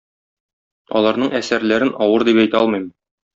Аларның әсәрләрен авыр дип әйтә алмыйм